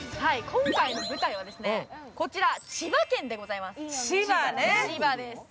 今回の舞台はですね、こちら千葉県でございます。